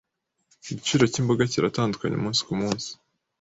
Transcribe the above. Igiciro cyimboga kiratandukanye umunsi kumunsi.